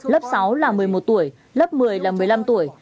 lớp sáu là một mươi một tuổi lớp một mươi là một mươi năm tuổi